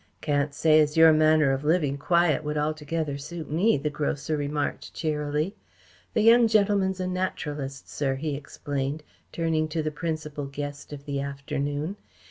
"Can't say as your manner of living quiet would altogether suit me," the grocer remarked cheerily. "The young gentleman's a naturalist, sir," he explained, turning to the principal guest of the afternoon.